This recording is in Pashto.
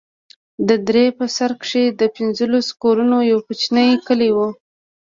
د درې په سر کښې د پنځلسو كورونو يو كوچنى كلى و.